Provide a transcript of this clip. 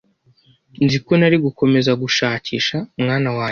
Nzi ko nari gukomeza gushakisha, mwana wanjye